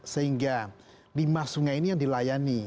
sehingga lima sungai ini yang dilayani